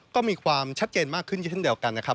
ก็มีความชัดเจนมากขึ้นเช่นเดียวกันนะครับ